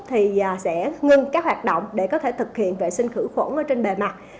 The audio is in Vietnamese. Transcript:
thì sẽ ngưng các hoạt động để có thể thực hiện vệ sinh khử khuẩn trên bề mặt